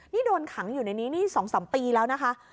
นี่โดนขังอยู่ในนี้นี่๒๓ปีแล้วนะคะ